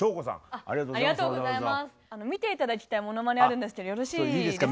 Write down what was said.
見て頂きたいものまねあるんですけどよろしいですか？